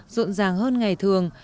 rộn ràng hơn ngày thường